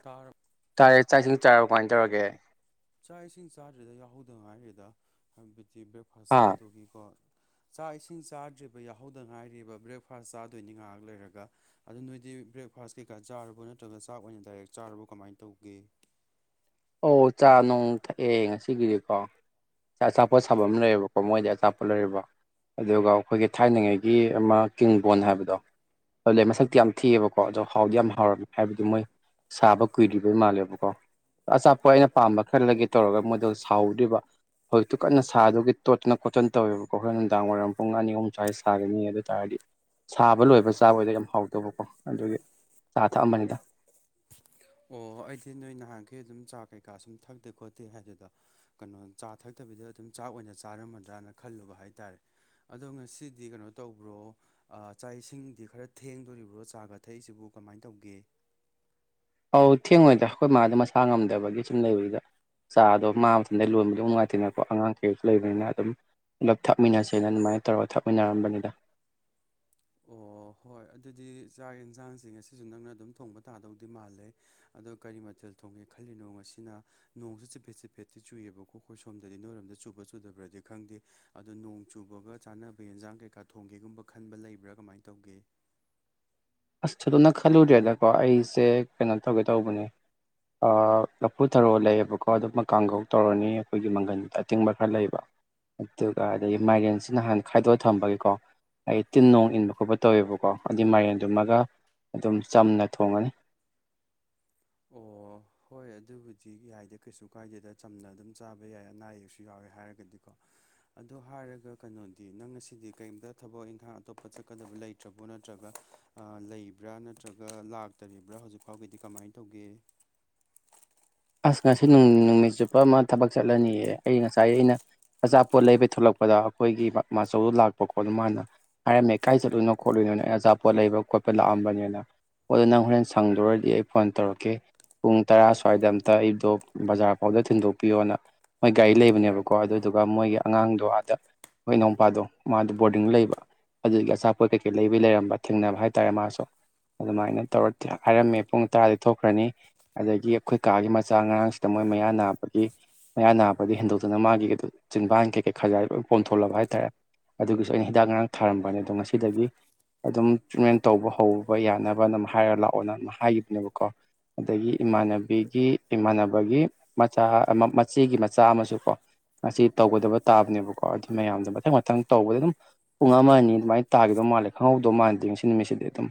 ꯇꯥꯔꯕꯣ ꯆꯥꯔꯦ ꯆꯥꯛꯁꯤꯡ ꯆꯥꯔꯕ ꯀꯃꯥꯏꯅ ꯇꯧꯔꯒꯦ ꯆꯥꯛ ꯏꯁꯤꯡ ꯆꯥꯗ꯭ꯔꯤꯗ ꯌꯥꯎꯍꯧꯗ ꯍꯥꯏꯔꯤꯗ ꯍꯥꯏꯕꯗꯤ ꯕ꯭ꯔꯦꯛꯐꯥꯁ ꯍꯥꯥ ꯆꯥꯗꯨꯒꯤꯀꯣ ꯆꯥꯛ ꯏꯁꯤꯡ ꯆꯥꯗ꯭ꯔꯤꯕ ꯌꯥꯍꯧꯗ ꯉꯥꯏꯔꯤꯕ ꯕ꯭ꯔꯦꯛꯐꯥꯁ ꯆꯥꯗꯣꯏꯅꯤ ꯉꯥꯏꯍꯥꯛ ꯂꯩꯔꯒ ꯑꯗꯨ ꯅꯣꯏꯗꯤ ꯕ꯭ꯔꯦꯛꯐꯥꯁ ꯀꯩꯀꯥ ꯆꯥꯔꯕꯣ ꯅꯠꯇ꯭ꯔꯒ ꯆꯥꯛ ꯑꯣꯏꯅ ꯗꯥꯏꯔꯦꯛ ꯆꯥꯔꯕ ꯀꯃꯥꯏꯅ ꯇꯧꯒꯦ ꯑꯣ ꯆꯥ ꯅꯨꯡ ꯊꯛꯑꯦ ꯉꯁꯤꯒꯤꯗꯤꯀꯣ ꯑꯆꯥꯄꯣꯠ ꯁꯥꯕ ꯑꯃ ꯂꯩꯌꯦꯕꯀꯣ ꯃꯣꯏꯗꯤ ꯑꯆꯥꯄꯠ ꯂꯩꯔꯨꯕ ꯑꯗꯨꯒ ꯑꯩꯈꯣꯏꯒꯤ ꯊꯥꯏꯅꯉꯩꯒꯤ ꯑꯃ ꯀꯤꯡ ꯕꯣꯟ ꯍꯥꯏꯕꯗꯣ ꯑꯗꯨ ꯂꯩ ꯃꯁꯛꯇꯤ ꯌꯥꯝ ꯊꯤꯑꯕꯀꯣ ꯑꯗꯣ ꯍꯥꯎꯗꯤ ꯌꯥꯝ ꯍꯥꯎꯔꯝꯃꯦ ꯍꯥꯏꯕꯗꯤ ꯃꯣꯏ ꯁꯥꯕ ꯀꯨꯏꯗꯔꯤꯕꯩ ꯃꯥꯜꯂꯦꯕꯀꯣ ꯑꯆꯥꯄꯣꯠ ꯑꯩꯅ ꯄꯥꯝꯕ ꯈꯜꯂꯒ ꯇꯧꯔꯒ ꯃꯣꯏꯗꯣ ꯁꯥꯍꯧꯗ꯭ꯔꯤꯕ ꯍꯧꯖꯤꯛꯇꯨ ꯀꯟꯅ ꯁꯥꯗꯨꯒꯤ ꯇꯣꯠꯇꯅ ꯀꯣꯠꯇꯟ ꯇꯧꯋꯦꯕꯀꯣ ꯑꯩꯔꯣꯏ ꯅꯨꯡꯗꯥꯡ ꯋꯥꯏꯔꯝ ꯄꯨꯡ ꯑꯅꯤ ꯑꯍꯨꯝ ꯁ꯭ꯋꯥꯏ ꯁꯥꯒꯅꯤ ꯑꯗꯨ ꯇꯥꯔꯗꯤ ꯁꯥꯕ ꯂꯣꯏꯕ ꯆꯥꯕꯩꯗꯣ ꯌꯥꯝ ꯍꯥꯎꯗꯣꯏꯕꯀꯣ ꯑꯗꯨꯒꯤ ꯆꯥ ꯊꯛꯑꯝꯕꯅꯤꯗ ꯑꯣ ꯑꯩꯗꯤ ꯅꯣꯏ ꯅꯍꯥꯟꯈꯩ ꯑꯗꯨꯝ ꯆꯥ ꯀꯩꯀꯥ ꯁꯨꯝ ꯊꯛꯇꯦ ꯈꯣꯠꯇꯦ ꯍꯥꯏꯕꯗꯨꯗ ꯀꯩꯅꯣ ꯆꯥ ꯊꯛꯇꯕꯤꯗ ꯑꯗꯨꯝ ꯆꯥꯛ ꯑꯣꯏꯅ ꯆꯥꯔꯝꯃꯗ꯭ꯔꯥꯅ ꯈꯜꯂꯨꯕ ꯍꯥꯏꯇꯥꯔꯦ ꯑꯗꯣ ꯉꯁꯤꯗꯤ ꯀꯩꯅꯣ ꯇꯧꯕ꯭ꯔꯣ ꯆꯥꯛ ꯏꯁꯤꯡꯗꯤ ꯈꯔ ꯊꯦꯡꯗꯣꯔꯤꯕ꯭ꯔꯣ ꯆꯥꯕ ꯊꯛꯏꯁꯤꯕꯨ ꯀꯃꯥꯏꯅ ꯇꯧꯒꯦ ꯑꯧ ꯊꯦꯡꯉꯣꯏꯗ ꯑꯩꯈꯣꯏ ꯃꯥꯗꯣ ꯃꯁꯥ ꯉꯝꯗꯕꯒꯤ ꯁꯨꯝ ꯂꯩꯕꯖꯤꯗ ꯆꯥ ꯑꯗꯣ ꯃꯥꯕ ꯃꯇꯝꯗ ꯂꯣꯟꯕꯗ ꯑꯗꯨꯝ ꯅꯨꯡꯉꯥꯏꯇꯦꯅꯀꯣ ꯑꯉꯥꯡ ꯀꯩꯁꯨ ꯂꯩꯕꯅꯤꯅ ꯑꯗꯨꯝ ꯄꯨꯂꯞ ꯊꯥꯛꯃꯤꯟꯅꯁꯦꯅ ꯑꯗꯨꯃꯥꯏꯅ ꯇꯧꯔꯒ ꯊꯥꯛꯃꯤꯟꯅꯔꯝꯕꯅꯤꯗ ꯑꯣ ꯍꯣꯏ ꯑꯗꯨꯗꯤ ꯆꯥꯛ ꯌꯦꯟꯁꯥꯡꯁꯤꯡ ꯉꯁꯤꯁꯨ ꯅꯪꯅ ꯑꯗꯨꯝ ꯊꯣꯡꯕ ꯇꯥꯗꯧꯗꯤ ꯃꯥꯜꯂꯦ ꯑꯗꯣ ꯀꯔꯤ ꯃꯊꯦꯜ ꯊꯣꯡꯒꯦ ꯈꯜꯂꯤꯅꯣ ꯉꯁꯤꯅ ꯅꯣꯡꯁꯨ ꯆꯤꯐꯦꯠ ꯆꯤꯐꯦꯠꯇꯤ ꯆꯨꯏꯌꯦꯕꯀꯣ ꯑꯩꯈꯣꯏ ꯁꯣꯝꯗꯗꯤ ꯅꯣꯏꯔꯣꯝꯗ ꯆꯨꯕ ꯆꯨꯗꯕ꯭ꯔꯗꯤ ꯈꯪꯗꯦ ꯑꯗꯣ ꯅꯣꯡ ꯆꯨꯕꯒ ꯆꯥꯅꯕ ꯌꯦꯟꯖꯥꯡ ꯀꯩꯀꯥ ꯊꯣꯡꯒꯦꯒꯨꯝꯕ ꯈꯟꯕ ꯂꯩꯕ꯭ꯔꯥ ꯀꯃꯥꯏꯅ ꯇꯧꯒꯦ ꯑꯁ ꯊꯣꯏꯗꯣꯛꯅ ꯈꯜꯂꯨꯗ꯭ꯔꯦꯗꯀꯣ ꯑꯩꯁꯦ ꯀꯩꯅꯣ ꯇꯧꯒꯦ ꯇꯧꯕꯅꯦ ꯑ ꯂꯐꯨ ꯊꯔꯣ ꯂꯩꯌꯦꯕꯀꯣ ꯑꯗꯨꯝꯃ ꯀꯥꯡꯉꯧ ꯇꯧꯔꯅꯤ ꯑꯩꯈꯣꯏꯒꯤ ꯃꯪꯒꯟ ꯑꯇꯤꯡꯕ ꯈꯔ ꯂꯩꯕ ꯑꯗꯨꯒ ꯑꯗꯒꯤ ꯃꯥꯏꯔꯦꯟꯁꯤ ꯅꯍꯥꯟ ꯈꯥꯏꯗꯣꯛꯑ ꯊꯝꯕꯒꯤꯀꯣ ꯑꯩ ꯇꯤꯟ ꯅꯣꯡ ꯏꯟꯕ ꯈꯣꯠꯄ ꯇꯧꯋꯦꯕꯀꯣ ꯑꯗꯨꯏ ꯃꯥꯏꯔꯦꯟꯗꯨꯃꯒ ꯑꯗꯨꯝ ꯆꯝꯅ ꯊꯣꯡꯉꯅꯤ ꯑꯣ ꯍꯣꯏ ꯑꯗꯨꯕꯨꯗꯤ ꯌꯥꯏꯗ ꯀꯩꯁꯨ ꯀꯥꯏꯗꯦꯗ ꯆꯝꯅ ꯑꯗꯨꯝ ꯆꯥꯕ ꯌꯥꯏ ꯑꯅꯥ ꯑꯌꯦꯛꯁꯨ ꯌꯥꯎꯋꯦ ꯍꯥꯏꯔꯒꯗꯤꯀꯣ ꯑꯗꯣ ꯍꯥꯏꯔꯒ ꯀꯩꯅꯣꯗꯤ ꯅꯪ ꯉꯁꯤꯗꯤ ꯀꯔꯤꯝꯇ ꯊꯕꯛ ꯏꯪꯈꯥꯡ ꯑꯇꯣꯞꯄ ꯆꯠꯀꯗꯕ ꯂꯩꯇ꯭ꯔꯕꯣ ꯅꯠꯇ꯭ꯔꯒ ꯂꯩꯕ꯭ꯔꯥ ꯅꯠꯇ꯭ꯔꯒ ꯂꯥꯛꯇꯔꯤꯕ꯭ꯔꯥ ꯍꯧꯖꯤꯛ ꯐꯥꯎꯒꯤꯗꯤ ꯀꯃꯥꯏꯅ ꯇꯧꯒꯦ ꯑꯁ ꯉꯁꯤ ꯅꯨꯃꯤꯠ ꯆꯨꯞꯄ ꯑꯃ ꯊꯕꯛ ꯆꯠꯂꯅꯤꯌꯦ ꯑꯩ ꯉꯁꯥꯏ ꯑꯩꯅ ꯑꯆꯥꯄꯣꯠ ꯂꯩꯕꯩ ꯊꯣꯛꯂꯛꯄꯗꯣ ꯑꯩꯈꯣꯏꯒꯤ ꯃꯥꯆꯧꯗꯣ ꯂꯥꯛꯄꯀꯣ ꯃꯥꯅꯀꯣ ꯍꯥꯏꯔꯝꯃꯦ ꯀꯥꯏ ꯆꯠꯂꯨꯅꯣ ꯈꯣꯠꯂꯨꯢꯅꯣꯅ ꯑꯆꯥꯄꯣꯠ ꯂꯩꯕ ꯈꯣꯠꯄ ꯂꯥꯛꯑꯝꯕꯅꯤꯅ ꯑꯣꯗꯣ ꯅꯪ ꯍꯣꯔꯦꯟ ꯁꯪꯗꯔꯗꯤ ꯑꯩ ꯐꯣꯟ ꯇꯧꯔꯛꯀꯦ ꯄꯨꯡ ꯇꯔꯥ ꯁ꯭ꯋꯥꯏꯗ ꯇ ꯑꯩꯗꯣ ꯕꯖꯥꯔ ꯐꯥꯎꯗ ꯊꯤꯟꯗꯣꯛꯄꯤꯌꯣꯅ ꯃꯣꯏ ꯒꯥꯔꯤ ꯂꯩꯕꯅꯦꯕꯀꯣ ꯑꯗꯨꯗꯨꯒ ꯃꯣꯏꯒꯤ ꯑꯉꯥꯡꯗꯣ ꯑꯥꯗ ꯑꯩꯈ ꯏꯅꯥꯎꯄꯥꯗꯣ ꯃꯥꯗꯣ ꯕꯣꯔꯗꯤꯡ ꯂꯩꯕ ꯑꯗꯨꯒꯤ ꯑꯆꯥꯄꯣꯠ ꯀꯩꯀꯩ ꯂꯩꯕꯩ ꯂꯩꯔꯝꯕ ꯊꯦꯡꯅꯕ ꯍꯥꯏꯇꯥꯔꯦ ꯃꯥꯁꯨ ꯑꯗꯨꯃꯥꯏꯅ ꯇꯧꯔ ꯍꯥꯏꯔꯝꯃꯦ ꯄꯨꯡ ꯇꯔꯥꯗꯩ ꯊꯣꯛꯈ꯭ꯔꯅꯤ ꯑꯗꯒꯤ ꯀꯥꯒꯤ ꯃꯆꯥ ꯉꯥꯔꯥꯡ ꯁꯤꯗ ꯃꯣꯏ ꯃꯌꯥ ꯅꯥꯕꯒꯤ ꯃꯌꯥ ꯅꯥꯕꯗꯩ ꯍꯦꯟꯗꯣꯛꯇꯅ ꯃꯥꯒꯤ ꯑꯗꯨꯝ ꯆꯤꯟꯕꯥꯟ ꯀꯩꯀꯩ ꯈꯖꯏ ꯄꯣꯝꯊꯣꯛꯂꯕ ꯍꯥꯏꯇꯥꯔꯦ ꯑꯗꯨꯒꯤꯁꯨ ꯑꯩꯅ ꯍꯤꯗꯥꯛ ꯉꯔꯥꯡ ꯊꯥꯔꯝꯕꯅꯦ ꯑꯗꯣ ꯉꯁꯤꯗꯒꯤ ꯑꯗꯨꯝ ꯇ꯭ꯔꯤꯠꯃꯦꯟ ꯇꯧꯕ ꯍꯧꯕ ꯌꯥꯅꯕ ꯑꯗꯨꯝ ꯍꯥꯏꯔ ꯂꯥꯛꯑꯣꯅ ꯑꯗꯨꯝ ꯍꯥꯏꯈꯤꯕꯅꯦꯕꯀꯣ ꯑꯗꯒꯤ ꯏꯃꯥꯟꯅꯕꯤ ꯒꯤ ꯏꯃꯥꯟꯅꯕꯒꯤ ꯃꯆꯥ ꯃꯆꯦꯒꯤ ꯃꯆꯥ ꯑꯃꯁꯨ ꯀꯣ ꯑꯁꯤ ꯇꯧꯒꯗꯕ ꯇꯥꯕꯅꯦꯕꯀꯣ ꯑꯗꯨ ꯃꯌꯥꯝꯗꯣ ꯃꯊꯪ ꯃꯊꯪ ꯇꯧꯕꯗ ꯑꯗꯨꯝ ꯄꯨꯡ ꯑꯃ ꯑꯅꯤ ꯑꯗꯨꯃꯥꯏꯅ ꯇꯥꯈꯤꯗꯧ ꯃꯥꯜꯂꯦ ꯈꯪꯍꯧꯗꯧ ꯃꯥꯟꯗꯦ ꯉꯁꯤ ꯅꯨꯃꯤꯠꯁꯤꯗꯤ ꯑꯗꯨꯝ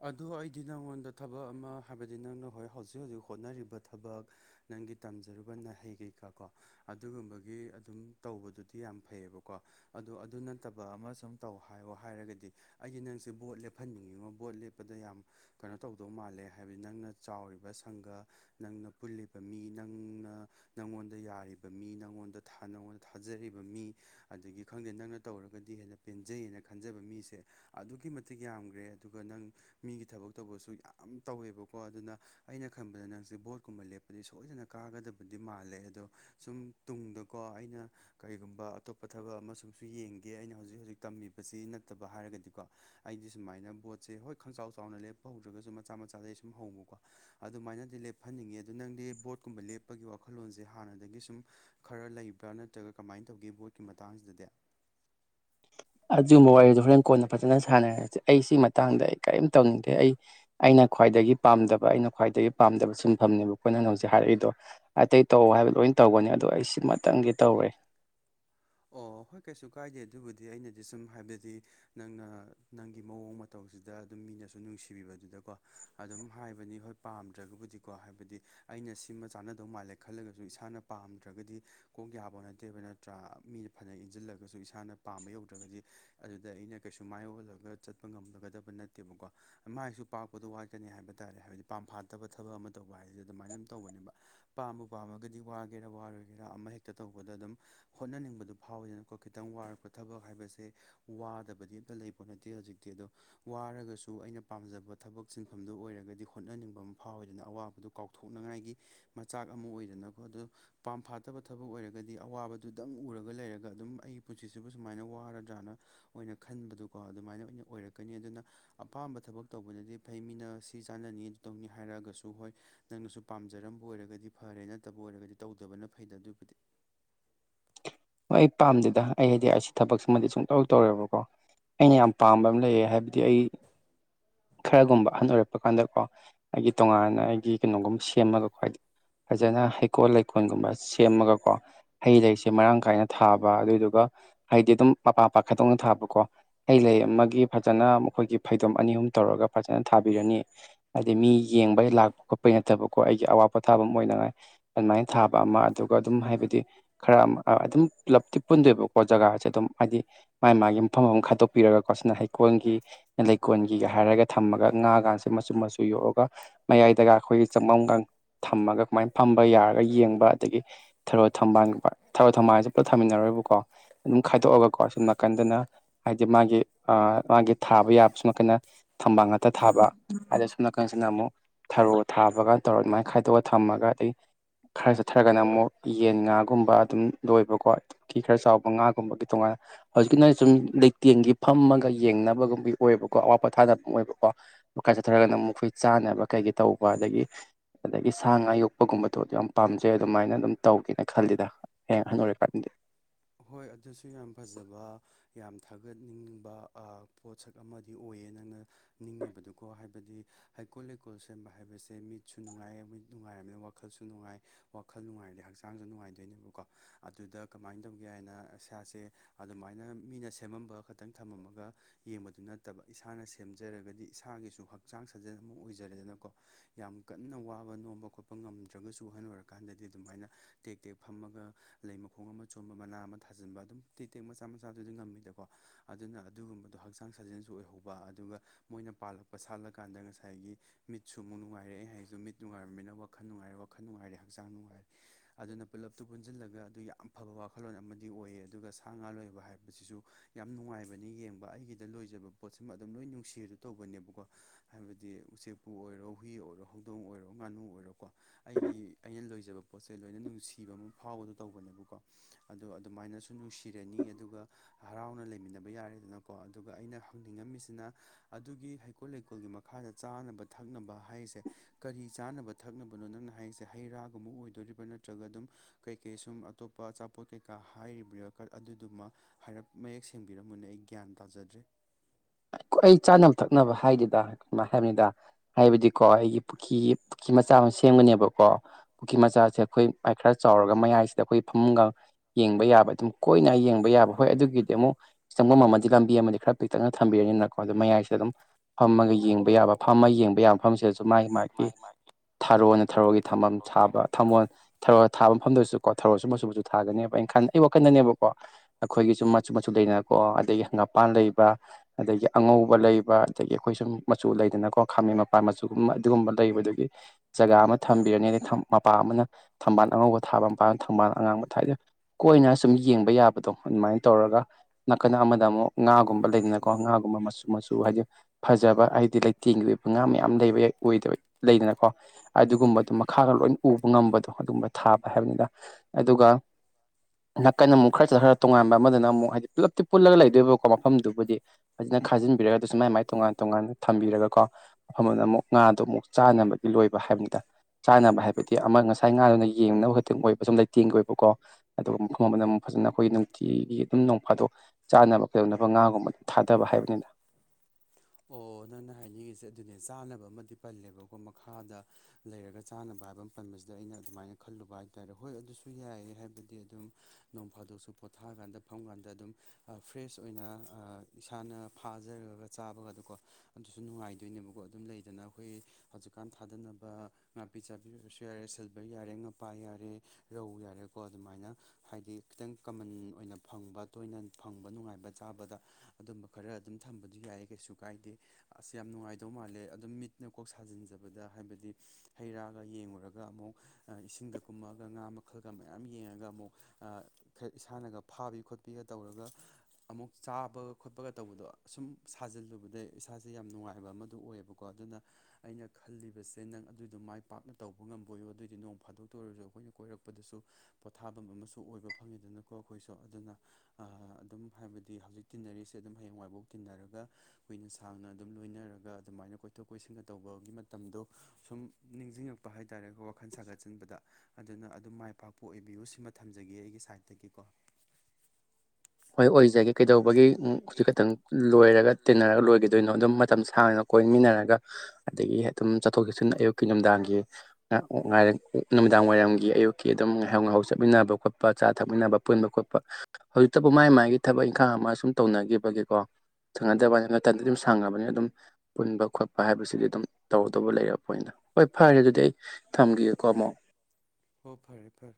ꯑꯗꯨ ꯑꯩꯗꯤ ꯅꯪꯉꯣꯟꯗ ꯊꯕꯛ ꯑꯃ ꯍꯥꯏꯕꯗꯤ ꯅꯪꯅ ꯍꯣꯏ ꯍꯧꯖꯤꯛ ꯍꯧꯖꯤꯛ ꯍꯣꯠꯅꯔꯤꯕ ꯊꯕꯛ ꯅꯪꯒꯤ ꯇꯝꯖꯔꯨꯕ ꯃꯥꯍꯩ ꯀꯩꯀꯥ ꯀꯣ ꯑꯗꯨꯒꯨꯝꯕꯒꯤ ꯑꯗꯨꯝ ꯇꯧꯕꯗꯨꯗꯤ ꯌꯥꯝ ꯐꯩꯕꯀꯣ ꯑꯗꯣ ꯑꯗꯨ ꯅꯠꯇꯕ ꯑꯃ ꯁꯨꯝ ꯇꯧ ꯍꯥꯏꯌꯣ ꯍꯥꯏꯔꯒꯗꯤ ꯑꯩꯗꯤ ꯅꯪꯁꯦ ꯕꯣꯠ ꯂꯦꯞꯍꯟꯅꯤꯡꯉꯤꯉꯣ ꯕꯣꯠꯞ ꯈꯣꯠꯄꯗ ꯌꯥꯝ ꯀꯩꯅꯣ ꯇꯧꯗꯧ ꯃꯥꯜꯂꯦ ꯍꯥꯏꯕꯗꯤ ꯅꯪꯅ ꯆꯥꯎꯔꯤꯕ ꯁꯪꯒ ꯅꯪꯅ ꯄꯨꯜꯂꯤꯕ ꯃꯤ ꯅꯪꯅ ꯅꯪꯉꯣꯟꯗ ꯌꯥꯔꯤꯕ ꯃꯤ ꯅꯪꯉꯣꯟꯗ ꯅꯪꯉꯣꯟꯗ ꯊꯥꯖꯔꯤꯕ ꯃꯤ ꯑꯗꯒꯤ ꯈꯪꯗꯦ ꯅꯪꯅ ꯇꯧꯔꯒꯗꯤ ꯍꯦꯟꯅ ꯄꯦꯟꯖꯩꯅ ꯈꯟꯖꯕ ꯃꯤꯁꯦ ꯑꯗꯨꯛꯀꯤ ꯃꯇꯤꯛ ꯌꯥꯝꯈ꯭ꯔꯦ ꯑꯗꯨꯒ ꯅꯪ ꯃꯤꯒꯤ ꯊꯕꯛ ꯇꯧꯕꯁꯨ ꯌꯥꯝ ꯇꯧꯋꯦꯕꯀꯣ ꯑꯗꯨꯅ ꯑꯩꯅ ꯈꯟꯕꯗ ꯅꯪꯁꯦ ꯕꯣꯠꯀꯨꯝꯕ ꯂꯦꯞꯄꯗꯤ ꯁꯣꯏꯗꯅ ꯀꯥꯒꯗꯕꯗꯤ ꯃꯥꯜꯂꯦ ꯑꯗꯣ ꯁꯨꯝ ꯇꯨꯡꯗꯀꯣ ꯑꯩꯅ ꯀꯔꯤꯒꯨꯝꯕ ꯑꯇꯣꯞꯄ ꯊꯕꯛ ꯑꯃꯁꯨ ꯁꯨꯝ ꯌꯦꯡꯒꯦ ꯑꯩꯅ ꯍꯧꯖꯤꯛ ꯍꯧꯖꯤꯛ ꯇꯝꯃꯤꯕꯁꯤ ꯅꯠꯇꯕ ꯍꯥꯏꯔꯒꯗꯤꯀꯣ ꯑꯩꯗꯤ ꯁꯨꯃꯥꯏꯅ ꯕꯣꯠꯁꯦ ꯍꯣꯏ ꯈꯪ ꯆꯥꯎ ꯆꯥꯎꯅ ꯂꯦꯞꯄ ꯍꯧꯗ꯭ꯔꯒꯁꯨ ꯃꯆꯥ ꯃꯆꯥꯗꯒꯤ ꯁꯨꯝ ꯍꯧꯕꯀꯣ ꯑꯗꯨꯃꯥꯏꯅꯗꯤ ꯂꯦꯞꯍꯟꯅꯤꯡꯉꯦ ꯑꯗꯨ ꯅꯪꯗꯤ ꯕꯣꯠꯀꯨꯝꯕ ꯂꯦꯞꯄꯒꯤ ꯋꯥꯈꯜꯂꯣꯟꯁꯦ ꯍꯥꯟꯅꯗꯒꯤ ꯁꯨꯝ ꯈꯔ ꯂꯩꯕ꯭ꯔꯥ ꯅꯠꯇ꯭ꯔꯒ ꯀꯃꯥꯏꯅ ꯇꯧꯒꯦ ꯕꯣꯠꯀꯤ ꯃꯇꯥꯡꯁꯤꯗꯗꯤ ꯑꯗꯨꯒꯨꯝꯕ ꯋꯥꯔꯤꯗꯣ ꯍꯣꯔꯦꯟ ꯀꯣꯟꯅ ꯐꯖꯅ ꯁꯥꯟꯅꯔꯁꯦ ꯑꯩ ꯁꯤꯒꯤ ꯃꯇꯥꯡꯗ ꯑꯩ ꯀꯔꯤꯝ ꯇꯧꯅꯤꯡꯗꯦ ꯑꯩ ꯑꯩꯅ ꯈ꯭ꯋꯥꯏꯗꯒꯤ ꯄꯥꯝꯗꯕ ꯑꯩꯅ ꯈ꯭ꯋꯥꯏꯗꯒꯤ ꯄꯥꯝꯗꯕ ꯁꯤꯟꯐꯝꯅꯦꯕ ꯑꯩꯈꯣꯏꯅ ꯍꯧꯖꯤꯛ ꯍꯥꯏꯔꯛꯏꯗꯣ ꯑꯇꯩ ꯇꯧ ꯍꯥꯏꯕ ꯂꯣꯏꯅ ꯇꯧꯒꯅꯤ ꯑꯗꯣ ꯑꯩ ꯁꯤꯃꯇꯪꯗꯤ ꯇꯧꯔꯣꯏ ꯑꯣ ꯍꯣꯏ ꯀꯩꯁꯨ ꯀꯥꯏꯗꯦ ꯑꯗꯨꯕꯨꯗꯤ ꯑꯩꯅꯗꯤ ꯁꯨꯝ ꯍꯥꯏꯕꯗꯤ ꯅꯪꯅ ꯅꯪꯒꯤ ꯃꯑꯣꯡ ꯃꯇꯧꯁꯤꯗ ꯑꯗꯨꯝ ꯃꯤꯅꯁꯨ ꯅꯨꯡꯁꯤꯕꯤꯕꯗꯨꯗꯀꯣ ꯑꯗꯨꯝ ꯍꯥꯏꯕꯅꯤ ꯍꯣꯏ ꯄꯥꯝꯗ꯭ꯔꯒꯕꯨꯗꯤꯀꯣ ꯍꯥꯏꯕꯗꯤ ꯑꯩꯅ ꯁꯤꯃ ꯆꯥꯟꯅꯗꯧ ꯃꯥꯜꯂꯦ ꯈꯜꯂꯒꯁꯨ ꯏꯁꯥꯅ ꯄꯥꯝꯗ꯭ꯔꯒꯗꯤ ꯀꯣꯛ ꯌꯥꯕ ꯅꯠꯇꯦꯕ ꯅꯠꯇ꯭ꯔꯥ ꯃꯤꯅ ꯐꯅ ꯏꯟꯁꯤꯜꯂꯒꯁꯨ ꯏꯁꯥꯅ ꯄꯥꯝꯕ ꯌꯧꯗ꯭ꯔꯒꯗꯤ ꯑꯗꯨꯗ ꯑꯩꯅ ꯀꯩꯁꯨ ꯃꯥꯏꯑꯣꯜꯂꯒ ꯆꯠꯄ ꯉꯝꯒꯗꯕ ꯅꯠꯇꯦ ꯇꯦꯕꯀꯣ ꯃꯥꯏꯁꯨ ꯄꯥꯛꯄꯗꯣ ꯋꯥꯠꯀꯅꯤ ꯍꯥꯏꯕ ꯇꯥꯔꯦ ꯍꯥꯏꯕꯗꯤ ꯄꯥꯝꯐꯥꯠꯇꯕ ꯊꯕꯛ ꯑꯃ ꯇꯧꯕ ꯍꯥꯏꯁꯦ ꯑꯗꯨꯃꯥꯏꯅ ꯑꯗꯨꯝ ꯇꯧꯕꯅꯦꯕ ꯄꯥꯝꯕꯨ ꯄꯥꯝꯃꯒꯗꯤ ꯋꯥꯒꯦꯔꯥ ꯋꯥꯔꯣꯏꯒꯦꯔꯥ ꯑꯃ ꯍꯦꯛꯇ ꯇꯧꯕꯗ ꯑꯗꯨꯝ ꯍꯣꯠꯅꯅꯤꯡꯕꯗꯨ ꯐꯥꯎꯋꯤꯗꯅꯀꯣ ꯈꯤꯇꯪ ꯋꯥꯔꯛꯄ ꯊꯕꯛ ꯍꯥꯏꯕꯁꯦ ꯋꯥꯗꯕꯗꯤ ꯑꯝꯇ ꯂꯩꯕꯣ ꯅꯠꯇꯦ ꯍꯧꯖꯤꯛꯇꯤ ꯑꯗꯣ ꯋꯥꯔꯒꯁꯨ ꯑꯩꯅ ꯄꯥꯝꯖꯕ ꯊꯕꯛ ꯁꯤꯟꯐꯝꯗꯨ ꯑꯣꯏꯔꯒꯗꯤ ꯍꯣꯠꯅꯅꯤꯡꯕ ꯑꯃ ꯐꯥꯎ ꯑꯣꯏꯗꯅ ꯑꯋꯥꯕꯗꯨ ꯀꯥꯎꯊꯣꯛꯅꯉꯥꯏꯒꯤ ꯃꯆꯥꯛ ꯑꯃ ꯑꯣꯏꯗꯅꯀꯣ ꯑꯗꯣ ꯄꯥꯝ ꯐꯥꯗꯕ ꯊꯕꯛ ꯑꯣꯏꯔꯒꯗꯤ ꯑꯋꯥꯕ ꯑꯗꯨꯗꯪ ꯎꯔꯒ ꯂꯩꯔꯒ ꯑꯗꯨꯝ ꯑꯩꯒꯤ ꯄꯨꯟꯁꯤꯁꯤꯕꯨ ꯁꯨꯃꯥꯏꯅ ꯋꯥꯔꯖꯥꯅ ꯑꯣꯏꯅ ꯈꯟꯕꯗꯨꯀꯣ ꯑꯗꯨꯃꯥꯏꯅ ꯑꯣꯏꯅ ꯑꯣꯏꯔꯛꯀꯅꯤ ꯑꯗꯨꯅ ꯑꯄꯥꯝꯕ ꯊꯕꯛ ꯇꯧꯕꯅꯗꯤ ꯐꯩ ꯃꯤꯅ ꯁꯤ ꯆꯥꯟꯅꯅꯤ ꯑꯗꯨ ꯇꯧꯅꯤ ꯍꯥꯏꯔꯛꯑꯒꯁꯨ ꯍꯣꯏ ꯅꯪꯅꯁꯨ ꯄꯥꯝꯖꯔꯝꯕ ꯑꯣꯏꯔꯒꯗꯤ ꯐꯔꯦ ꯅꯠꯇꯕ ꯑꯣꯏꯔꯒꯗꯤ ꯇꯧꯗꯕꯅ ꯐꯩꯗꯕ ꯑꯗꯨꯕꯨꯗꯤ ꯍꯣꯏ ꯑꯩ ꯄꯥꯝꯗꯦꯗ ꯑꯩ ꯍꯥꯏꯗꯤ ꯑꯩ ꯊꯕꯛꯁꯤꯃꯗꯤ ꯁꯨꯡꯇꯧ ꯇꯧꯔꯦꯕꯀꯣ ꯑꯩꯅ ꯌꯥꯝ ꯄꯥꯝꯕ ꯑꯃ ꯂꯩꯌꯦ ꯍꯥꯏꯕꯗꯤ ꯑꯩ ꯈꯔꯒꯨꯝꯕ ꯑꯍꯟ ꯑꯣꯏꯔꯛꯄ ꯀꯥꯟꯗꯀꯣ ꯑꯩꯒꯤ ꯇꯣꯉꯥꯟꯅ ꯑꯩꯒꯤ ꯀꯩꯅꯣꯒꯨꯝꯕ ꯁꯦꯝꯃꯒ ꯈ꯭ ꯍꯥꯏꯗꯤ ꯐꯖꯅ ꯍꯩꯀꯣꯜ ꯂꯩꯀꯣꯜꯒꯨꯝꯕ ꯁꯦꯝꯃꯒꯀꯣ ꯍꯩ ꯂꯩꯁꯦ ꯃꯔꯥꯡ ꯀꯥꯏꯅ ꯊꯥꯕ ꯑꯗꯨꯏꯗꯨꯒ ꯍꯥꯏꯗꯤ ꯑꯗꯨꯝ ꯃꯄꯥ ꯃꯄꯥ ꯈꯥꯏꯗꯣꯛꯅ ꯊꯥꯕꯀꯣ ꯍꯩ ꯂꯩ ꯑꯃꯒꯤ ꯐꯖꯅ ꯃꯈꯣꯏꯒꯤ ꯐꯩꯗꯣꯝ ꯑꯅꯤ ꯑꯍꯨꯝ ꯇꯧꯔꯒ ꯐꯖꯅ ꯊꯥꯕꯤꯔꯅꯤ ꯍꯥꯏꯗꯤ ꯃꯤ ꯌꯦꯡꯕ ꯂꯥꯛꯄ ꯈꯣꯠꯄꯒꯤ ꯅꯠꯇꯕꯀꯣ ꯑꯩꯒꯤ ꯑꯋꯥ ꯄꯣꯊꯥꯐꯝ ꯑꯃ ꯑꯣꯏꯅꯉꯥꯏ ꯑꯗꯨꯃꯥꯏꯅ ꯊꯥꯕ ꯑꯃ ꯑꯗꯨꯒ ꯑꯗꯨꯝ ꯍꯥꯏꯕꯗꯤ ꯈꯔ ꯑꯗꯨꯝ ꯄꯨꯂꯞꯇꯤ ꯄꯨꯟꯗꯣꯏꯕꯀꯣ ꯖꯒꯥꯁꯦ ꯑꯗꯨꯝ ꯍꯥꯏꯗꯤ ꯃꯥꯒꯤ ꯃꯥꯒꯤ ꯃꯐꯝ ꯑꯃ ꯈꯥꯏꯗꯣꯛꯄꯤꯔꯒ ꯀꯣ ꯁꯤꯅ ꯍꯩꯀꯣꯜꯒꯤ ꯂꯩꯀꯣꯜꯒꯤꯒ ꯍꯥꯏꯔꯒ ꯊꯝꯃꯒ ꯉꯥꯒꯥꯁꯦ ꯃꯆꯨ ꯃꯆꯨ ꯌꯣꯛꯑꯒ ꯃꯌꯥꯏꯗꯒ ꯑꯩꯈꯣꯏꯒꯤ ꯆꯃꯝꯒ ꯊꯝꯃꯒ ꯀꯃꯥꯏꯅ ꯐꯝꯕ ꯌꯥꯔꯒ ꯌꯦꯡꯕ ꯑꯗꯒꯤ ꯊꯔꯣꯏ ꯊꯝꯕꯥꯜꯒ ꯊꯔꯣꯏ ꯊꯝꯕꯥꯜꯁꯦ ꯄꯨꯂꯞ ꯊꯥꯃꯤꯟꯅꯔꯣꯏꯕꯀꯣ ꯑꯗꯨꯝ ꯈꯥꯏꯗꯣꯛꯑꯒꯀꯣ ꯁꯤ ꯅꯥꯀꯟꯗꯅ ꯍꯥꯏꯗꯤ ꯃꯥꯒꯤ ꯃꯥꯒꯤ ꯊꯥꯕ ꯌꯥꯕꯁꯨ ꯃꯈꯅꯥꯀꯟꯗ ꯊꯝꯕꯥꯜ ꯉꯥꯛꯇ ꯊꯥꯕ ꯍꯥꯏꯗ ꯁꯣꯝ ꯅꯥꯀꯟꯁꯤꯅ ꯑꯃꯨꯛ ꯊꯔꯣ ꯊꯥꯕꯒ ꯇꯧꯔꯣ ꯑꯗꯨꯃꯥꯏꯅ ꯈꯥꯏꯗꯣꯛꯑ ꯊꯝꯃꯒ ꯑꯩ ꯈꯔ ꯆꯠꯊꯔꯒꯅ ꯑꯃꯨꯛ ꯌꯦꯟ ꯉꯥꯒꯨꯝꯕ ꯑꯗꯨꯝ ꯂꯣꯏꯕꯀꯣꯈꯤ ꯈꯔ ꯆꯥꯎꯕ ꯉꯥꯒꯨꯝꯕꯒꯤ ꯇꯣꯉꯥꯟꯅ ꯍꯧꯖꯤꯛꯀꯤꯅ ꯁꯨꯝ ꯂꯩꯇꯦꯡꯒꯤ ꯐꯝꯃꯒ ꯌꯦꯡꯅꯕꯒꯨꯝꯒꯤ ꯑꯣꯏꯌꯦꯕꯀꯣ ꯑꯋꯥꯠ ꯄꯊꯥꯗꯐꯝ ꯑꯣꯏꯕꯀꯣ ꯃꯈꯥ ꯆꯠꯊꯔꯒꯅ ꯑꯃꯛ ꯃꯈꯣꯏ ꯆꯥꯅꯕ ꯀꯩꯀꯩ ꯇꯧꯕ ꯑꯗꯒꯤ ꯑꯗꯒꯤ ꯁꯥ ꯉꯥ ꯌꯣꯛꯄꯒꯨꯝꯕ ꯊꯣ ꯑꯗꯨ ꯌꯥꯝ ꯄꯥꯝꯖꯩ ꯑꯗꯨꯃꯥꯏꯅ ꯑꯗꯨꯝ ꯇꯧꯒꯦꯅ ꯈꯜꯂꯤꯗ ꯍ ꯍꯅꯨꯔꯦ ꯀꯥꯟꯗꯤ ꯍꯣꯏ ꯑꯗꯨꯁꯨ ꯌꯥꯝ ꯐꯖꯕ ꯌꯥꯝ ꯊꯥꯒꯠꯅꯤꯡꯕ ꯄꯣꯠꯁꯛ ꯑꯃꯗꯤ ꯑꯣꯏꯌꯦ ꯅꯪꯅ ꯅꯤꯡꯉꯤꯕꯗꯨꯀꯣ ꯍꯥꯏꯕꯗꯤ ꯍꯩꯀꯣꯜ ꯂꯩꯀꯣꯜ ꯁꯦꯝꯕ ꯍꯥꯏꯕꯁꯦ ꯃꯤꯠꯁꯨ ꯅꯨꯡꯉꯥꯏ ꯃꯤꯠ ꯅꯨꯡꯉꯥꯏꯔꯕꯅꯤꯅ ꯋꯥꯈꯜꯁꯨ ꯅꯨꯡꯉꯥꯏ ꯋꯥꯈꯜ ꯅꯨꯡꯉꯥꯏꯔꯦ ꯍꯛꯆꯥꯡꯁꯨ ꯅꯨꯡꯉꯥꯏꯗꯣꯏꯅꯦꯕꯀꯣ ꯑꯗꯨꯗ ꯀꯃꯥꯏꯅ ꯇꯧꯒꯦ ꯍꯥꯏꯅ ꯏꯁꯁꯦ ꯑꯗꯨꯃꯥꯏꯅ ꯃꯤꯅ ꯁꯦꯝꯃꯝꯕ ꯈꯛꯇꯪ ꯊꯝꯃꯝꯃꯒ ꯌꯦꯡꯕꯗꯨ ꯅꯠꯇꯕ ꯏꯁꯥꯅ ꯁꯦꯝꯖꯔꯒꯗꯤ ꯏꯁꯥꯒꯤꯁꯨ ꯍꯛꯆꯥꯡ ꯁꯥꯖꯦꯜ ꯑꯃ ꯑꯣꯏꯖꯔꯦꯗꯅꯀꯣ ꯌꯥꯝ ꯀꯟꯅ ꯋꯥꯕ ꯅꯣꯝꯕ ꯈꯣꯠꯄ ꯉꯝꯗ꯭ꯔꯒꯁꯨ ꯑꯍꯟ ꯑꯣꯏꯔꯀꯥꯟꯗꯗꯤ ꯑꯗꯨꯃꯥꯏꯅ ꯇꯦꯛ ꯇꯦꯛ ꯐꯝꯃꯒ ꯂꯩ ꯃꯈꯣꯡ ꯑꯃ ꯑꯆꯣꯕ ꯃꯅꯥ ꯑꯃ ꯊꯥꯖꯤꯟꯕ ꯑꯗꯨꯝ ꯇꯦꯛ ꯇꯦꯛ ꯃꯆꯥ ꯃꯆꯥꯗꯨ ꯑꯗꯨ ꯉꯝꯃꯤꯗꯀꯣ ꯑꯗꯨꯅ ꯑꯗꯨꯒꯨꯝꯕꯗꯣ ꯍꯛꯆꯥꯡ ꯁꯥꯖꯟꯁꯨ ꯑꯣꯏꯍꯧꯕ ꯑꯗꯨꯒ ꯃꯣꯏꯅ ꯄꯥꯜꯂꯛꯄ ꯁꯥꯠꯂꯀꯥꯟꯗ ꯉꯁꯥꯏꯒꯤ ꯃꯤꯠꯁꯨ ꯑꯃꯨꯛ ꯅꯨꯡꯉꯥꯏꯔꯛꯑꯦ ꯍꯥꯏꯁꯨ ꯃꯤꯠ ꯅꯨꯡꯉꯥꯏꯔꯕꯃꯤꯅ ꯋꯥꯈꯜꯅꯨꯡꯉꯥꯏꯔꯦ ꯋꯥꯈꯜ ꯅꯨꯡꯉꯥꯏꯔꯦ ꯍꯛꯥꯡ ꯅꯨꯡꯉꯥꯏꯔꯦ ꯑꯗꯨꯅ ꯄꯨꯂꯞꯇꯨ ꯄꯨꯟꯁꯤꯜꯂꯒ ꯑꯗꯨ ꯌꯥꯝ ꯑꯐꯕ ꯋꯥꯈꯜꯂꯣꯟ ꯑꯃꯗꯤ ꯑꯣꯏꯌꯦ ꯑꯗꯨꯒ ꯁꯥ ꯉꯥ ꯂꯣꯏꯕ ꯍꯥꯏꯕꯁꯤꯁꯨ ꯌꯥꯝ ꯅꯨꯡꯉꯥꯏꯕꯅꯤ ꯌꯦꯡꯕ ꯑꯩꯒꯤꯗ ꯂꯣꯏꯖꯕ ꯄꯣꯠꯁꯤꯃ ꯑꯗꯨꯝ ꯂꯣꯏ ꯅꯨꯡꯁꯤꯔꯁꯨ ꯇꯧꯕꯅꯦꯕꯀꯣ ꯍꯥꯏꯕꯗꯤ ꯎꯆꯦꯛꯄꯨ ꯑꯣꯏꯔꯣ ꯍꯨꯏ ꯑꯣꯏꯔꯣ ꯍꯧꯗꯣꯡ ꯑꯣꯏꯔꯣ ꯉꯥꯅꯨ ꯑꯣꯏꯔꯣꯀꯣ ꯑꯩꯒꯤ ꯑꯩꯅ ꯂꯣꯏꯖꯕ ꯄꯣꯠꯁꯦ ꯂꯣꯏꯅ ꯅꯨꯡꯁꯤꯕ ꯑꯃ ꯐꯥꯎꯕꯗꯣ ꯇꯧꯕꯅꯦꯕꯀꯣ ꯑꯣ ꯑꯗꯨꯃꯥꯏꯅꯁꯨ ꯅꯨꯡꯁꯤꯔꯅꯤ ꯑꯗꯨꯒ ꯍꯔꯥꯎꯅ ꯂꯩꯃꯤꯟꯅꯕ ꯌꯥꯔꯦꯗꯅꯀꯣ ꯑꯗꯨꯒ ꯑꯩꯅ ꯍꯪꯅꯤꯡꯉꯝꯃꯤꯁꯤꯅ ꯑꯗꯨꯒꯤ ꯍꯩꯀꯣꯜ ꯂꯩꯀꯣꯜꯒꯤ ꯃꯈꯥꯗ ꯆꯥꯅꯕ ꯊꯛꯅꯕ ꯍꯥꯏꯔꯤꯁꯦ ꯀꯔꯤ ꯆꯥꯅꯕ ꯊꯛꯅꯕꯅꯣ ꯅꯪꯅ ꯍꯥꯏꯔꯤꯁꯦ ꯍꯩ ꯔꯥꯒꯨꯝꯨꯛ ꯑꯣꯏꯗꯣꯔꯤꯕ꯭ꯔꯥ ꯅꯠꯇ꯭ꯔꯒ ꯑꯗꯨꯝ ꯀꯩꯀꯩ ꯁꯨꯝ ꯑꯇꯣꯞꯄ ꯑꯆꯥꯄꯣꯠ ꯀꯩꯀꯥ ꯍꯥꯏꯔꯤꯕ꯭ꯔꯥ ꯑꯗꯨꯗꯨꯃ ꯍꯥꯏꯔꯞ ꯃꯌꯦꯛ ꯁꯦꯡꯕꯤꯔꯝꯕꯅꯤ ꯑꯩ ꯒ꯭ꯌꯥꯟ ꯇꯥꯖꯗ꯭ꯔꯦ ꯑꯩ ꯆꯥꯅꯕ ꯊꯛꯅꯕ ꯍꯥꯏꯗꯨꯦꯗ ꯀ ꯍꯥꯏꯕꯅꯤꯗ ꯍꯥꯏꯕꯗꯤꯀꯣ ꯑꯩꯒꯤ ꯄꯨꯈ꯭ꯔꯤ ꯄꯨꯈ꯭ꯔꯤ ꯃꯆꯥ ꯑꯃ ꯁꯦꯝꯒꯅꯦꯕꯀꯣ ꯄꯨꯈ꯭ꯔꯤ ꯃꯆꯥꯁꯦ ꯑꯩꯈꯣꯏ ꯃꯥꯏ ꯈꯔ ꯆꯥꯎꯔꯒ ꯃꯌꯥꯏꯁꯤꯗ ꯑꯩꯈꯣꯏ ꯐꯃꯨꯡꯒ ꯌꯦꯡꯕ ꯌꯥꯕ ꯑꯗꯨꯝ ꯀꯣꯏꯅ ꯌꯦꯡꯕ ꯌꯥꯕ ꯍꯣꯏ ꯑꯗꯨꯒꯤꯗꯤ ꯑꯃꯨꯛ ꯏꯪꯐꯝꯝ ꯑꯃꯗꯤ ꯂꯝꯕꯤ ꯑꯃꯗꯤ ꯈꯔ ꯄꯤꯛꯇꯛꯅ ꯊꯝꯕꯤꯔꯅꯤꯅꯀꯣ ꯑꯗꯣ ꯃꯌꯥꯏꯁꯤꯗ ꯑꯗꯨꯝ ꯐꯝꯃꯒ ꯌꯦꯡꯕ ꯌꯥꯕ ꯐꯝꯃꯒ ꯌꯦꯡꯕ ꯌꯥꯕ ꯃꯐꯝꯁꯤꯗ ꯑꯗꯨ ꯃꯥꯒꯤ ꯃꯥꯒꯤ ꯊꯔꯣꯅ ꯊꯔꯣꯒꯤ ꯊꯝꯐꯝ ꯃꯥꯒꯤ ꯊꯝ ꯁꯥꯕ ꯊꯝꯃꯜ ꯊꯔꯣ ꯊꯥꯕ ꯃꯐꯝꯗꯁꯨ ꯀꯣ ꯊꯔꯣꯁꯨ ꯃꯆꯨ ꯃꯨ ꯊꯥꯒꯅꯦꯕ ꯑꯩꯅ ꯈ ꯑꯩ ꯋꯥꯈꯜꯗꯅꯦꯕꯀꯣ ꯑꯩꯈꯣꯏꯒꯤ ꯁꯨꯝ ꯃꯆꯨ ꯃꯆꯨ ꯂꯩꯅꯀꯣ ꯑꯗꯒꯤ ꯃꯄꯥꯟ ꯂꯩꯕ ꯑꯗꯒꯤ ꯑꯉꯧꯕ ꯂꯩꯕ ꯑꯗꯒꯤ ꯑꯩꯈꯣꯏ ꯁꯨꯝ ꯃꯆꯨ ꯂꯩꯗꯅꯀꯣ ꯈꯥꯃꯦꯟ ꯃꯄꯥꯟ ꯃꯆꯨꯒꯨꯝꯕ ꯑꯗꯨꯒꯨꯝꯕ ꯂꯩꯕꯗꯨꯒꯤ ꯖꯒꯥ ꯑꯃ ꯊꯝꯕꯤꯔꯅꯤ ꯑꯗꯩ ꯃꯄꯥ ꯑꯃꯅ ꯊꯝꯕꯥꯜ ꯑꯉꯧꯕ ꯊꯥꯕ ꯃꯄꯥꯅ ꯊꯝꯕꯥꯜ ꯑꯉꯥꯡꯕꯥꯏꯗ ꯀꯣꯏꯅ ꯁꯨꯝ ꯌꯦꯡꯕ ꯌꯥꯕꯗꯣ ꯑꯗꯨꯃꯥꯏꯅ ꯇꯧꯔꯒ ꯅꯥꯀꯟ ꯑꯃꯗ ꯑꯃꯨꯛ ꯉꯥꯒꯨꯝꯕ ꯂꯩꯅ ꯀꯉꯥꯒꯨꯝꯕ ꯃꯆꯨ ꯃꯆꯨ ꯍꯥꯏꯖ ꯐꯖꯕ ꯍꯥꯏꯗꯤ ꯂꯩꯇꯦꯡꯒꯤ ꯑꯣꯏꯕ ꯉꯥ ꯃꯌꯥꯝ ꯂꯩꯕ ꯌꯥꯏ ꯑꯣꯏꯗꯕ ꯂꯩꯗꯅꯀꯣ ꯑꯗꯨꯒꯨꯝꯕꯗꯣ ꯃꯈꯥꯗ ꯂꯣꯏꯅ ꯎꯕ ꯉꯝꯕꯗꯣ ꯑꯗꯨꯒꯨꯝꯕ ꯊꯥꯕ ꯍꯥꯏꯕꯅꯤꯅ ꯑꯗꯨꯒ ꯅꯥꯀꯟꯗ ꯑꯃꯨꯛ ꯈꯔ ꯆꯠꯊ ꯈꯔ ꯇꯣꯉꯥꯟꯕ ꯑꯃꯗꯨꯅ ꯑꯃꯨꯛ ꯍꯥꯏꯗꯤ ꯄꯨꯂꯞꯇꯤ ꯄꯨꯜꯂꯒ ꯂꯩꯗꯣꯏꯕꯀꯣ ꯃꯐꯝꯗꯨꯕꯨꯗꯤ ꯐꯖꯅ ꯈꯥꯖꯤꯟꯕꯤꯔꯒ ꯑꯗꯨꯁꯨ ꯃꯥꯏ ꯃꯥꯏ ꯇꯣꯉꯥꯟ ꯇꯣꯉꯥꯟꯅ ꯊꯝꯕꯤꯔꯒ ꯀꯣ ꯃꯐꯝ ꯑꯗꯨꯗ ꯑꯃꯨꯛ ꯉꯥꯗꯣ ꯑꯃꯨꯛ ꯆꯥꯅꯕꯒꯤ ꯂꯣꯏꯕ ꯍꯥꯏꯕꯅꯤꯗ ꯆꯥꯅꯕ ꯍꯥꯏꯕꯗꯤ ꯑꯃ ꯉꯁꯥꯏ ꯉꯥꯗꯨꯅ ꯌꯦꯡꯅꯕ ꯈꯛꯇꯪ ꯑꯣꯏꯕ ꯁꯨꯝ ꯂꯩꯇꯦꯡꯒꯤ ꯑꯣꯏꯕꯀꯣ ꯑꯗꯨꯒ ꯃꯐꯝ ꯑꯃꯗ ꯑꯃꯨꯛ ꯐꯖꯅ ꯑꯩꯈꯣꯏꯒꯤ ꯅꯨꯡꯇꯤꯒꯤ ꯑꯗꯨꯝ ꯅꯣꯡ ꯐꯥꯗꯣꯛ ꯆꯥꯅꯕ ꯀꯩꯗꯧꯅꯕ ꯉꯥꯒꯨꯝꯕꯗ ꯊꯥꯗꯕ ꯍꯥꯏꯕꯅꯤꯅ ꯑꯣ ꯅꯪꯅ ꯍꯥꯏꯅꯤꯡꯉꯤꯁꯦ ꯑꯗꯨꯅꯦ ꯆꯥꯅꯕ ꯑꯃꯗꯤ ꯄꯜꯂꯦꯕꯀꯣ ꯃꯈꯥꯗ ꯂꯩꯔꯒ ꯆꯥꯅꯕ ꯍꯥꯏꯕ ꯑꯃ ꯄꯟꯕꯁꯤꯗ ꯑꯩꯅ ꯑꯗꯨꯃꯥꯏꯅ ꯈꯜꯂꯨꯕ ꯍꯥꯏꯇꯥꯔꯦ ꯍꯣꯏ ꯑꯗꯨꯁꯨ ꯌꯥꯏ ꯍꯥꯏꯕꯗꯤ ꯑꯗꯨꯝ ꯅꯣꯡ ꯐꯥꯗꯣꯛꯁꯨ ꯄꯣꯊꯥꯔꯀꯥꯟꯗ ꯐꯝ ꯀꯥꯟꯗ ꯑꯗꯨꯝ ꯐ꯭ꯔꯦꯁ ꯑꯣꯏꯅ ꯏꯁꯥꯅ ꯐꯥꯖꯔꯒ ꯆꯥꯕꯒꯗꯀꯣ ꯑꯗꯨꯁꯨ ꯅꯨꯡꯉꯥꯏꯗꯣꯏꯅꯦꯕꯀꯣ ꯑꯗꯨꯝ ꯂꯩꯗꯅ ꯑꯩꯈꯣꯏ ꯍꯧꯖꯤꯛꯀꯥꯟ ꯊꯥꯗꯅꯕ ꯉꯅꯥꯄꯤ ꯆꯥꯕꯤꯔꯕꯁꯨ ꯌꯥꯔꯦ ꯁꯤꯜꯚꯔ ꯌꯥꯔꯦ ꯉꯄꯥ ꯌꯥꯔꯦ ꯔꯧ ꯌꯥꯔꯦꯀꯣ ꯑꯗꯨꯃꯥꯏꯅ ꯍꯥꯏꯗꯤ ꯈꯤꯇꯪ ꯀꯃꯟ ꯑꯣꯏꯅ ꯐꯪꯕ ꯇꯣꯏꯅ ꯐꯪꯕ ꯅꯨꯡꯉꯥꯏꯕ ꯆꯥꯕꯗ ꯑꯗꯨꯝꯕ ꯈꯔ ꯑꯗꯨꯝ ꯊꯝꯕꯁꯨ ꯌꯥꯏ ꯀꯩꯁꯨ ꯀꯥꯏꯗꯦ ꯑꯁ ꯌꯥꯝ ꯅꯨꯡꯉꯥꯏꯗꯧ ꯃꯥꯜꯂꯦ ꯑꯗꯨꯝ ꯃꯤꯠꯅ ꯀꯣꯛ ꯁꯥꯖꯤꯟꯖꯕꯗ ꯍꯥꯏꯕꯗꯤ ꯍꯩ ꯔꯥꯒ ꯌꯦꯡꯉꯨꯔꯒ ꯑꯃꯨꯛ ꯏꯁꯤꯡꯗ ꯀꯨꯝꯃꯒ ꯉꯥ ꯃꯈꯜꯒ ꯃꯌꯥꯝ ꯌꯦꯡꯉꯒ ꯑꯃꯨꯛ ꯏꯁꯥꯅꯒ ꯐꯥꯕꯤ ꯈꯣꯠꯄꯤꯒ ꯇꯧꯔꯒ ꯑꯃꯨꯛ ꯆꯥꯕꯒ ꯈꯣꯠꯄꯒ ꯇꯧꯕꯗꯣ ꯑꯁꯨꯝ ꯁꯥꯖꯤꯜꯂꯨꯕꯅꯤ ꯑꯗꯩ ꯏꯁꯥꯁꯦ ꯌꯥꯝ ꯅꯨꯡꯉꯥꯏꯕ ꯑꯃꯗꯨ ꯑꯣꯏꯌꯦꯕꯀꯣ ꯑꯗꯨꯅ ꯑꯩꯅ ꯈꯜꯂꯤꯕꯁꯦ ꯅꯪ ꯑꯗꯨꯏꯗꯣ ꯃꯥꯏ ꯄꯥꯛꯅ ꯇꯧꯕ ꯉꯝꯕꯣꯏꯌꯣ ꯑꯗꯨꯑꯣꯏꯗꯤ ꯅꯣꯡ ꯐꯥꯗꯣꯛꯇ ꯑꯣꯏꯔꯁꯨ ꯑꯩꯈꯣꯏꯅ ꯀꯣꯏꯔꯛꯄꯗꯁꯨ ꯄꯣꯊꯥꯐꯝ ꯑꯃꯁꯨ ꯑꯣꯏꯕ ꯐꯪꯉꯤꯗꯅꯀꯣ ꯑꯩꯈꯣꯏꯁꯨ ꯑꯗꯨꯅ ꯑꯗꯨꯝ ꯍꯥꯏꯕꯗꯤ ꯍꯧꯖꯤꯛ ꯇꯤꯟꯅꯔꯤꯁꯦ ꯑꯗꯨꯝ ꯍꯌꯦꯡꯋꯥꯏꯐꯧ ꯇꯤꯟꯅꯔꯒ ꯀꯨꯏꯅ ꯁꯥꯡꯅ ꯑꯗꯨꯝ ꯂꯣꯏꯅꯔꯒ ꯑꯗꯨꯃꯥꯏꯅ ꯀꯣꯏꯊꯣꯛ ꯀꯣꯏꯁꯤꯒ ꯇꯧꯕꯒꯤ ꯃꯇꯝꯗꯣ ꯁꯨꯝ ꯅꯤꯡꯁꯤꯡꯉꯛꯄ ꯍꯥꯏꯇꯥꯔꯦꯀ ꯋꯥꯈꯜ ꯁꯥꯒꯠꯆꯟꯕꯗ ꯑꯗꯨꯅ ꯑꯗꯨꯝ ꯃꯥꯏ ꯄꯥꯛꯄ ꯑꯣꯏꯕꯤꯌꯨ ꯁꯤꯃ ꯊꯝꯖꯒꯦ ꯑꯩꯒꯤ ꯁꯥꯏꯠꯇꯒꯤ ꯀꯣ ꯍꯣꯏ ꯑꯣꯏꯖꯒꯦ ꯀꯩꯗꯧꯕꯒꯤ ꯍꯧꯖꯤꯛ ꯈꯛꯇꯪ ꯂꯣꯏꯔꯒ ꯇꯤꯟꯅꯔꯒ ꯂꯣꯏꯈꯤꯗꯣꯏꯅꯣ ꯑꯗꯨꯝ ꯃꯇꯝ ꯁꯥꯡꯅꯅ ꯀꯣꯏꯃꯤꯟꯅꯔꯒ ꯑꯗꯒꯤ ꯑꯗꯨꯝ ꯆꯠꯊꯣꯛ ꯆꯠꯁꯤꯟ ꯑꯌꯨꯛꯀꯤ ꯅꯨꯡꯗꯥꯡꯒꯤ ꯉꯥꯏꯔ ꯅꯨꯃꯤꯗꯥꯡ ꯋꯥꯏꯔꯝꯒꯤ ꯑꯌꯨꯛꯀꯤ ꯑꯗꯨꯝ ꯉꯍ ꯉꯍꯧ ꯆꯠꯃꯤꯟꯅꯕ ꯈꯣꯠꯄ ꯆꯥ ꯊꯛꯃꯤꯟꯅꯕ ꯄꯨꯟꯕ ꯈꯣꯠꯄ ꯍꯧꯖꯤꯛꯇꯕꯨ ꯃꯥꯏ ꯃꯥꯥꯏꯒꯤ ꯊꯕꯛ ꯏꯪꯈꯥꯡ ꯑꯃ ꯁꯨꯝ ꯇꯧꯅꯈꯤꯕꯒꯤꯀꯣ ꯁꯪꯅꯗꯕꯅꯤ ꯃꯇꯝꯟꯗꯤ ꯑꯗꯨꯝ ꯁꯪꯉꯕꯅꯤ ꯑꯗꯨꯝ ꯄꯨꯟꯕ ꯈꯣꯠꯄ ꯍꯥꯏꯕꯁꯤꯗꯤ ꯑꯗꯨꯝ ꯇꯧꯔꯗꯧꯕ ꯂꯩꯔꯦꯄꯣꯏꯅ ꯍꯣꯏ ꯐꯔꯦ ꯑꯗꯨꯗꯤ ꯑꯩ ꯊꯥꯝꯒ ꯀ ꯑꯃꯃꯣ ꯍꯣ ꯐꯔꯦ ꯐꯔꯦ